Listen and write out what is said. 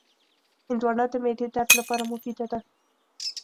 هندوانه د معدې درد لپاره مفیده ده.